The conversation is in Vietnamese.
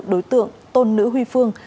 đối tượng tôn nữ huy phương